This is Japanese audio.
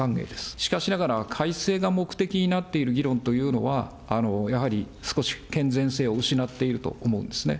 しかしながら、改正が目的になっている議論というのは、やはり少し健全性を失っていると思うんですね。